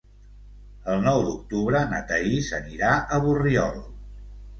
El nou d'octubre na Thaís anirà a Borriol.